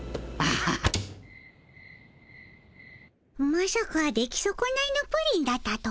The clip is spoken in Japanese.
まさか出来そこないのプリンだったとはの。